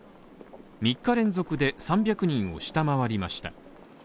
３日連続で３００人を下回りました。